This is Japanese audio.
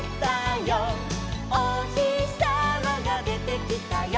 「おひさまがでてきたよ」